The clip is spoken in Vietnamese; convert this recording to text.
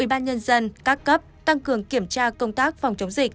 ubnd các cấp tăng cường kiểm tra công tác phòng chống dịch